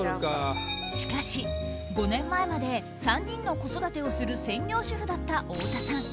しかし、５年前まで３人の子育てをする専業主婦だった太田さん。